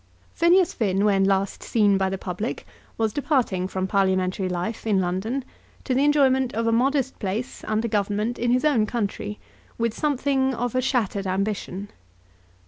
Phineas Finn, when last seen by the public, was departing from parliamentary life in London to the enjoyment of a modest place under Government in his own country, with something of a shattered ambition.